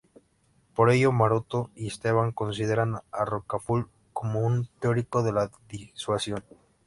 Por ello Maroto y Esteban consideran a Rocafull como un teórico de la disuasión.